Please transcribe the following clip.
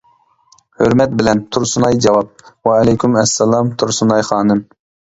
ھۆرمەت بىلەن: تۇرسۇنئاي جاۋاب: ۋەئەلەيكۇم ئەسسالام، تۇرسۇنئاي خانىم.